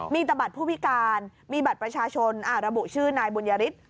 มีแต่บัตรผู้พิการมีบัตรประชาชนระบุชื่อนายบุญยฤทธิ์